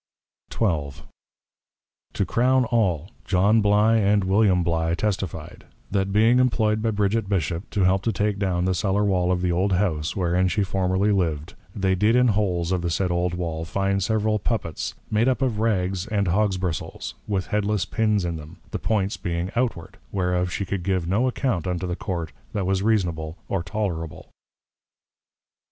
XII. To crown all, John Bly and William Bly testify'd, That being employ'd by Bridget Bishop, to help to take down the Cellar wall of the old House wherein she formerly lived, they did in holes of the said old Wall, find several Poppets, made up of Rags and Hogs bristles, with headless Pins in them, the Points being outward; whereof she could give no Account unto the Court, that was reasonable or tolerable.